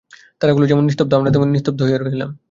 তারাগুলা যেমন নিস্তব্ধ আমরা তেমনি নিস্তব্ধ হইয়াই রহিলাম।